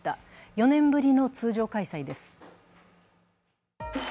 ４年ぶりの通常開催です。